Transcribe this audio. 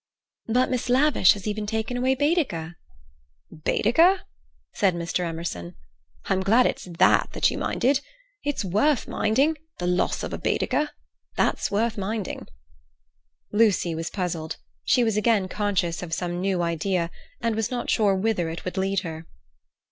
"But Miss Lavish has even taken away Baedeker." "Baedeker?" said Mr. Emerson. "I'm glad it's that you minded. It's worth minding, the loss of a Baedeker. That's worth minding." Lucy was puzzled. She was again conscious of some new idea, and was not sure whither it would lead her.